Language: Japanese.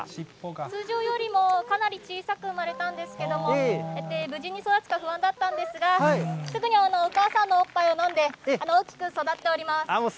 通常よりもかなり小さく産まれたんですけれども、無事に育つか不安だったんですが、すぐにお母さんのおっぱいを飲んで、大きく育っております。